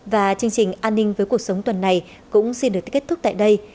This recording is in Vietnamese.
và chương trình an ninh với cuộc sống tuần này cũng xin được kết thúc tại đây